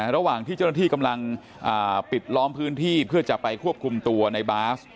ระหว่างที่เจ้าหน้าที่กำลังปิดล้อมพื้นที่เพื่อจะไปควบคุมตัวในบาส